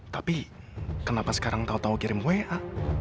tapi kenapa sekarang tau tau kirim wa